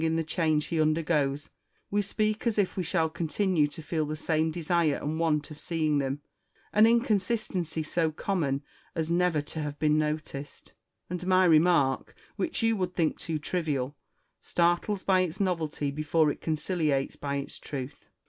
345 in the change he undergoes, we speak as if we shall continue to feel the same desire and want of seeing them — an inconsistency so common as never to have been noticed : and my remark, which you would think too trivial, startles by its novelty before it conciliates by its truth.